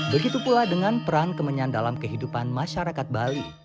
begitu pula dengan peran kemenyan dalam kehidupan masyarakat bali